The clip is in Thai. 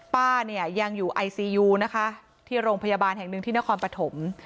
ป้าเนี่ยยังอยู่ไอซียูนะคะที่โรงพยาบาลแห่งหนึ่งที่นครปฐม